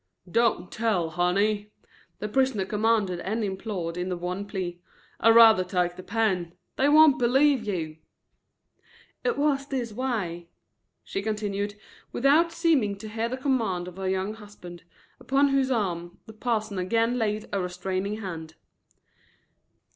"Don't tell, honey," the prisoner commanded and implored in the one plea. "I'd rather take the pen. They won't believe you." "It war this way," she continued, without seeming to hear the command of her young husband, upon whose arm the parson again laid a restraining hand.